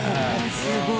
すごい！